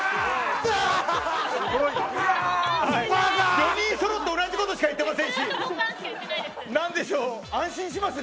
４人そろって同じことしか言ってませんしなんでしょう、安心しますね。